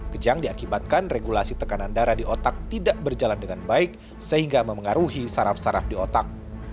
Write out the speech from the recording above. kejang diakibatkan regulasi tekanan darah di otak tidak berjalan dengan baik sehingga memengaruhi saraf saraf di otak